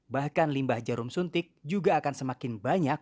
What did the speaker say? bahkan limbah jarum suntik juga akan semakin banyak